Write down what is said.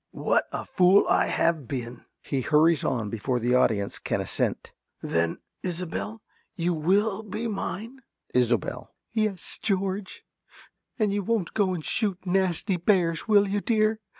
~ What a fool I have been! (He hurries on before the audience can assent.) Then, Isobel, you will be mine? ~Isobel.~ Yes, George. And you won't go and shoot nasty bears, will you, dear?